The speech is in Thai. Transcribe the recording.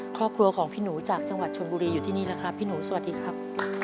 ครอบครัวของพี่หนูจากจังหวัดชนบุรีอยู่ที่นี่นะครับพี่หนูสวัสดีครับ